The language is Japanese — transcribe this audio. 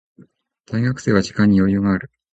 大学生は時間に余裕がある。